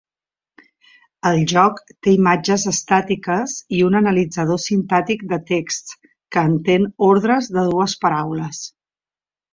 El joc té imatges estàtiques i un analitzador sintàctic de texts que entén ordres de dues paraules.